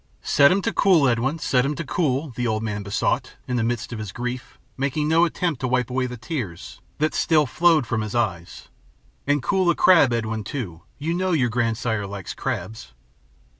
"Set 'em to cool, Edwin, set 'em to cool," the old man besought, in the midst of his grief, making no attempt to wipe away the tears that still flowed from his eyes. "And cool a crab, Edwin, too. You know your grandsire likes crabs."